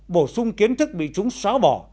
bổ sung kiến thức bị chúng xóa bỏ